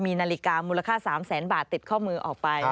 มีนาฬิกามูลค่า๓แสนบาทติดข้อมือออกไป